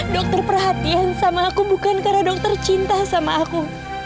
dokter perhatian sama aku bukan karena dokter cinta sama aku